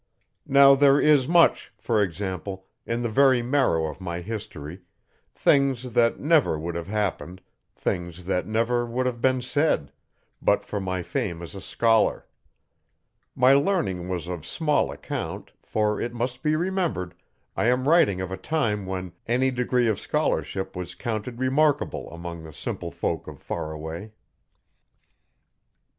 Now there is much, for example, in the very marrow of my history things that never would have happened, things that never would have been said, but for my fame as a scholar. My learning was of small account, for, it must be remembered, I am writing of a time when any degree of scholarship was counted remarkable among the simple folk of Faraway.